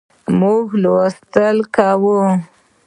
موږ لوستل کوو